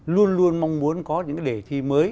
luôn luôn mong muốn có những cái đề thi mới